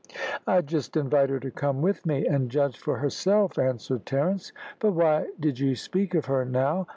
"I'd just invite her to come with me, and judge for herself," answered Terence. "But why did you speak of her now?